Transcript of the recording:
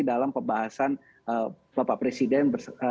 dalam pembahasan bapak presiden